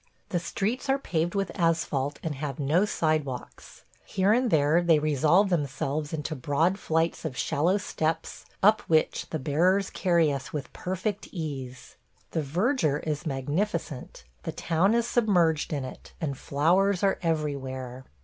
The streets are paved with asphalt and have no sidewalks; here and there they resolve themselves into broad flights of shallow steps up which the bearers carry us with perfect ease. ... The verdure is magnificent; the town is submerged in it, and flowers are everywhere.